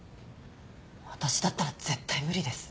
私だったら絶対無理です。